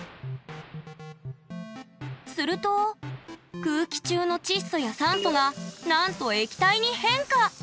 すると空気中の窒素や酸素がなんと液体に変化！